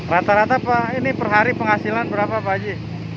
rata rata pak ini per hari penghasilan berapa pak haji